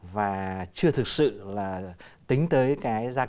và chưa thực sự là tính tới cái gia cấp